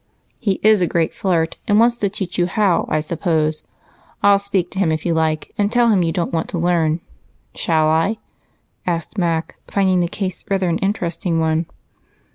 "He is a great flirt and wants to teach you how, I suppose. I'll speak to him if you like and tell him you don't want to learn. Shall I?" asked Mac, finding the case rather an interesting one.